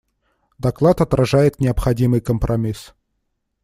Доклад отражает необходимый компромисс.